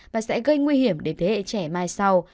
và sẽ gây nguy hiểm đến thế hệ trẻ mai sau